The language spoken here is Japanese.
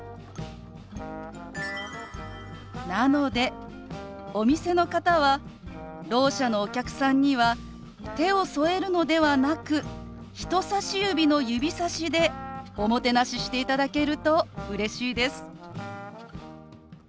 なのでお店の方はろう者のお客さんには手を添えるのではなく人さし指の指さしでおもてなししていただけるとうれしいです。